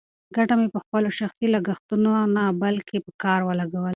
ګټه مې په خپلو شخصي لګښتونو نه، بلکې په کار ولګوله.